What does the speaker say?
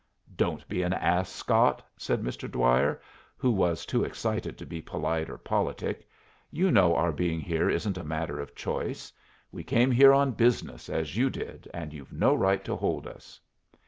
"Don't be an ass, Scott," said Mr. Dwyer, who was too excited to be polite or politic. "You know our being here isn't a matter of choice. We came here on business, as you did, and you've no right to hold us."